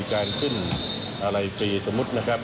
การขึ้นอะไรฟรีสมมุตินะครับ